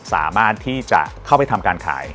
สามารถที่จะเข้าไปทำการขาย